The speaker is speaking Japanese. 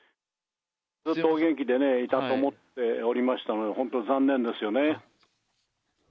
ずっとお元気でいたと思っておりましたので、本当残念ですよね。